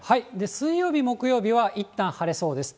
水曜日、木曜日はいったん晴れそうです。